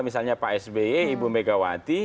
misalnya pak sby ibu megawati